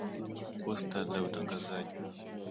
Posta la utangazaji.